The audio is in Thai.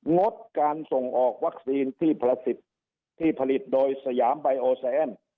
งดการส่งออกวัคซีนที่ผลิตที่ผลิตโดยสยามไบโอแซน